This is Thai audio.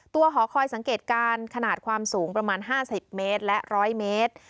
หอคอยสังเกตการณ์ขนาดความสูงประมาณ๕๐เมตรและ๑๐๐เมตร